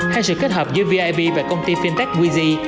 hay sự kết hợp giữa vip và công ty fintech weg